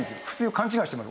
勘違いしてます